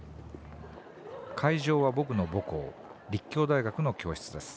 会場は僕の母校立教大学の教室です。